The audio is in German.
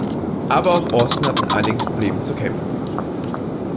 Aber auch Austin hat mit einigen Problemen zu kämpfen.